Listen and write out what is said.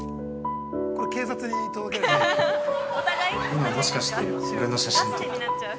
◆今もしかして俺の写真撮った？